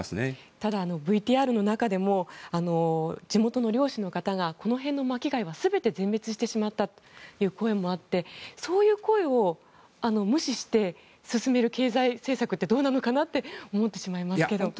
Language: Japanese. ただ、ＶＴＲの中でも地元の漁師の方がこの辺の巻き貝は全て全滅してしまったという声もあってそういう声を無視して進める経済政策ってどうなのかなって思ってしまいますけど。